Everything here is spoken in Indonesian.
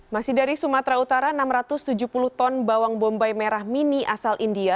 masih dari sumatera utara enam ratus tujuh puluh ton bawang bombay merah mini asal india